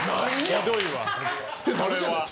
ひどいわそれは。